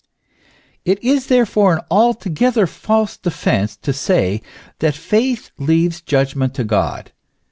It is therefore an altogether false defence to say, that faith leaves judgment to God.